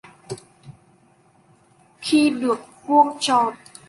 Khi được vuông tròn